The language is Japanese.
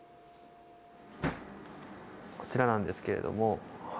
こちらなんですけれども。